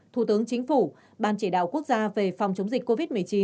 thủ tướng chính phủ ban chỉ đạo quốc gia về phòng chống dịch covid một mươi chín